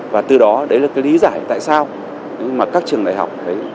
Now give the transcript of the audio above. và từ đó đấy là lý giải tại sao các trường đại học